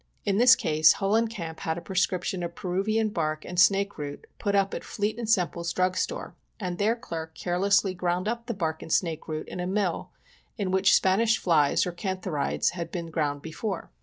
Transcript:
In this case Hollencamp had had a prescription of Peruvian bark and snakeroot put up at Fleet & Semple's drug store,, and their clerk carelessly ground up the bark and snakeroot in a mill in which Spanish flies or cantharides had been ground before.